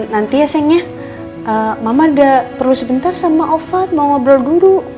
nanti ya sayangnya mama udah perlu sebentar sama ova mau ngobrol dulu